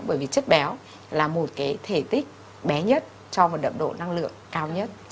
bởi vì chất béo là một cái thể tích bé nhất cho một đậm độ năng lượng cao nhất